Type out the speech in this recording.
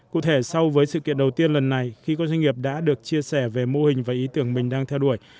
cụ thể sau với sự kiện đầu tiên lần này khi các doanh nghiệp đã được chia sẻ về mô hình và ý tưởng mình đang theo đuổi